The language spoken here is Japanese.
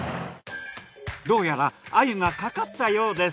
どうやら鮎がかかったようです。